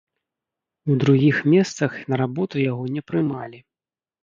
У другіх месцах на работу яго не прымалі.